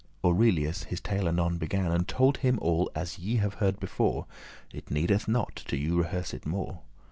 Aurelius his tale anon began, And told him all as ye have heard before, It needeth not to you rehearse it more.